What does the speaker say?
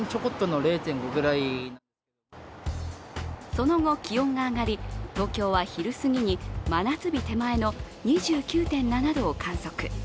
その後、気温が上がり東京は昼過ぎに真夏日手前の２９．７度を観測。